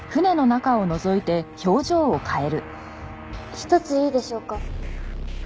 一ついいでしょうか？